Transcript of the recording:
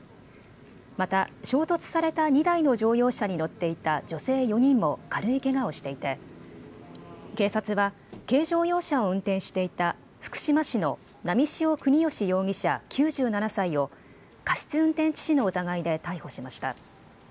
また衝突された２台の乗用車に乗っていた女性４人も軽いけがをしていて警察は軽乗用車を運転していた福島市の波汐國芳容疑者９７歳を過失運転致死の疑いで逮捕しました。